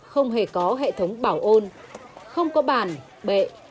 không hề có hệ thống bảo ôn không có bàn bệ